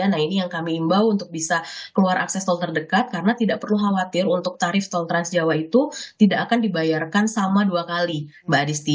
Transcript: nah ini yang kami imbau untuk bisa keluar akses tol terdekat karena tidak perlu khawatir untuk tarif tol transjawa itu tidak akan dibayarkan sama dua kali mbak adisti